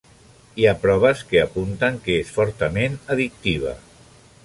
Hi ha proves que apunten que és fortament addictiva.